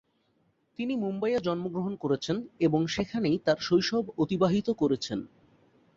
তিনি মুম্বাইয়ে জন্মগ্রহণ করেছেন এবং সেখানেই তার শৈশব অতিবাহিত করেছেন।